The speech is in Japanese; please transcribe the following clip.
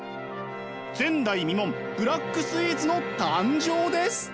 前代未聞ブラックスイーツの誕生です。